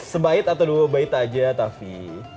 sebaik atau dua baik aja tavi